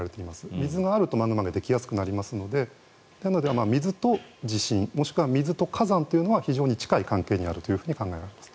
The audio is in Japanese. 水があるとマグマができやすくなりますので水と地震もしくは水と火山というのは非常に近い関係にあると考えられます。